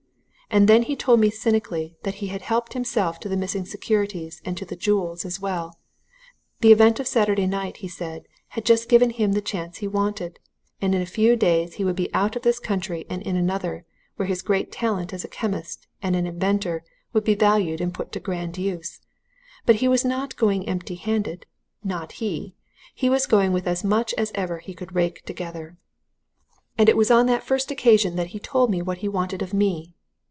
And then he told me cynically that he had helped himself to the missing securities and to the jewels as well the event of Saturday night, he said, had just given him the chance he wanted, and in a few days he would be out of this country and in another, where his great talent as a chemist and an inventor would be valued and put to grand use. But he was not going empty handed, not he! he was going with as much as ever he could rake together. "And it was on that first occasion that he told me what he wanted of me.